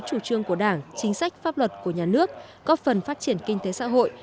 chủ trương của đảng chính sách pháp luật của nhà nước góp phần phát triển kinh tế xã hội